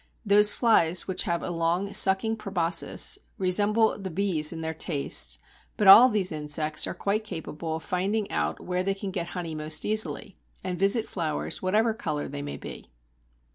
Those flies which have a long, sucking proboscis, resemble the bees in their tastes, but all these insects are quite capable of finding out where they can get honey most easily, and visit flowers whatever the colour may be.